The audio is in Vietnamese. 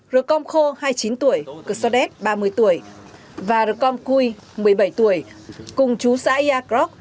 rukom kho hai mươi chín tuổi kusadet ba mươi tuổi và rukom kui một mươi bảy tuổi cùng chú saia krok